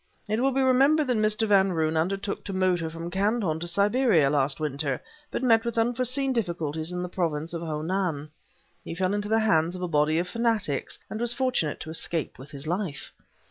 It will be remembered that Mr. Van Roon undertook to motor from Canton to Siberia last winter, but met with unforeseen difficulties in the province of Ho Nan. He fell into the hands of a body of fanatics and was fortunate to escape with his life.